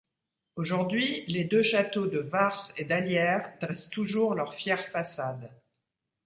Aujourd’hui, les deux châteaux de Varces et d’Allières dressent toujours leurs fières façades.